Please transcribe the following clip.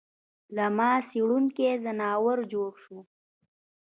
له ما څېرونکی ځناور جوړ شوی